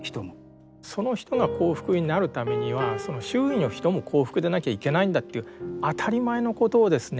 その人が幸福になるためには周囲の人も幸福でなきゃいけないんだという当たり前のことをですね。